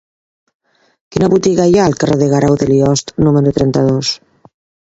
Quina botiga hi ha al carrer de Guerau de Liost número trenta-dos?